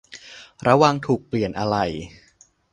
ระวังถูกเปลี่ยนอะไหล่